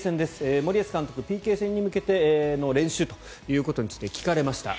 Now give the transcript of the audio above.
森保監督、ＰＫ戦に向けての練習ということについて聞かれました。